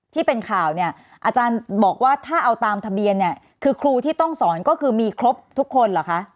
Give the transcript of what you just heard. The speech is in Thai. ที่เป็นข่าวเนี่ยอาจารย์บอกว่าถ้าเอาตามทะเบียนเนี่ยคือครูที่ต้องสอนก็คือมีครบทุกคนเหรอคะ